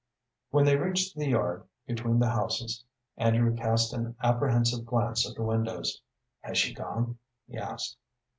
When they reached the yard between the houses Andrew cast an apprehensive glance at the windows. "Has she gone?" he asked.